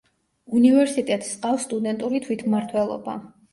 უნივერსიტეტს ჰყავს სტუდენტური თვითმმართველობა.